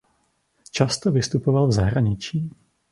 Často vystupoval v zahraničí.